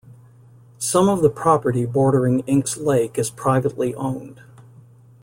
Some of the property bordering Inks Lake is privately owned.